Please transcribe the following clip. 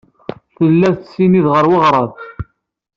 Tella tettsennid ɣer weɣrab.